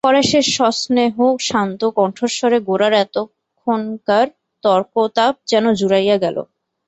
পরেশের সস্নেহ শান্ত কণ্ঠস্বরে গোরার এতক্ষণকার তর্কতাপ যেন জুড়াইয়া গেল।